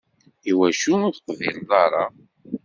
Iwacu ur teqbileḍ ara?